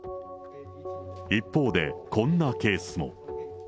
一方で、こんなケースも。